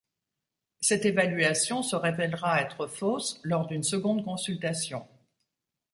Cette évaluation se révèlera être fausse lors d'une seconde consultation.